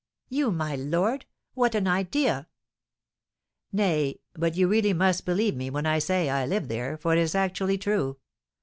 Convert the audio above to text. "You, my lord? What an idea!" "Nay, but you really must believe me when I say I live there, for it is actually true.